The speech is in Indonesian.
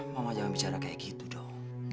mama jangan bicara kayak gitu dong